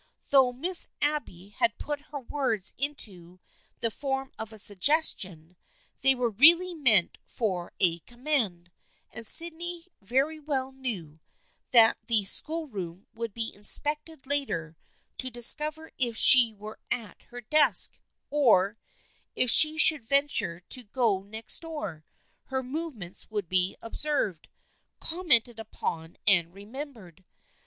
Though Miss Abby had put her words into the form of a suggestion, they were really meant for a command, and Sydney very well knew that the schoolroom would be inspected later to discover if she were at her desk, or, if she should venture to go next door, her movements would be observed, commented upon and remembered.